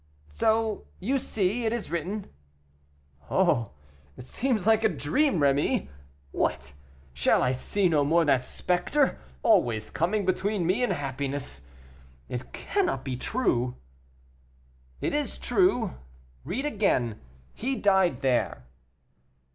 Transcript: "So, you see, it is written." "Oh, it seems like a dream, Rémy. What! shall I see no more that specter, always coming between me and happiness? It cannot be true." "It is true; read again, 'he died there.